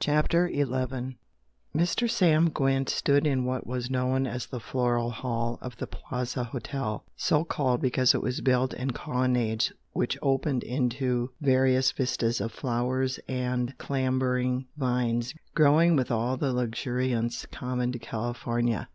CHAPTER XI Mr. Sam Gwent stood in what was known as the "floral hall" of the Plaza Hotel, so called because it was built in colonnades which opened into various vistas of flowers and clambering vines growing with all the luxuriance common to California.